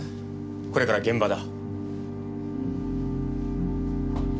これから現場だ。